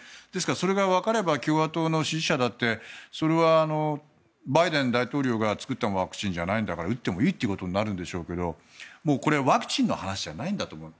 それがわかれば共和党の支持者だってバイデン大統領が作ったワクチンじゃないんだから打ってもいいということになるんでしょうがこれ、ワクチンの話じゃないと思うんです。